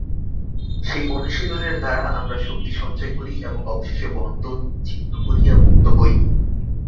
সেই অনুশীলনের দ্বারা আমরা শক্তি সঞ্চয় করি এবং অবশেষে বন্ধন ছিন্ন করিয়া মুক্ত হই।